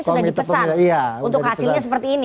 komite pemilihan ini sudah dipesan